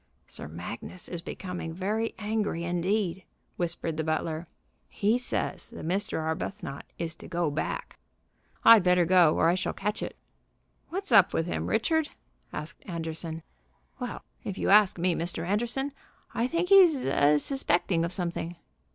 "Sir Magnus is becoming very angry indeed," whispered the butler. "He says that Mr. Arbuthnot is to go back." "I'd better go, or I shall catch it." "What's up with him, Richard?" asked Anderson. "Well, if you ask me, Mr. Anderson, I think he's a suspecting of something."